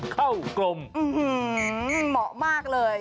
กรมเหมาะมากเลย